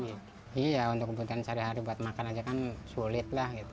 iya untuk kebutuhan sehari hari buat makan aja kan sulit lah gitu